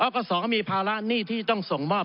กศก็มีภาระหนี้ที่ต้องส่งมอบ